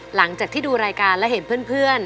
หลังจากที่ดูรายการและเห็นเพื่อน